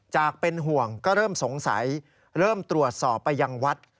เป็นห่วงก็เริ่มสงสัยเริ่มตรวจสอบไปยังวัด